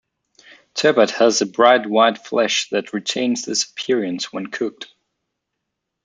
Turbot has a bright white flesh that retains this appearance when cooked.